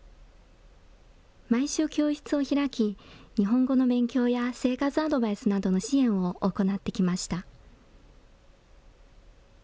毎週、教室を開き、日本語の勉強や生活アドバイスなどの支援を行ってきました。